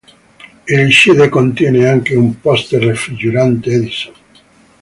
Il cd contiene anche un poster raffigurante Edison.